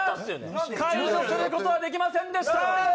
解除することはできませんでした。